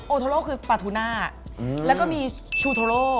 โทโลคือปาทูน่าแล้วก็มีชูโทโล